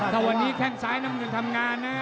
ถ้าวันนี้แค่งซ้ายจะทำงานนะ